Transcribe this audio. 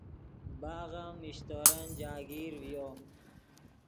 باغ ام میشتورن جاگیر ڤیو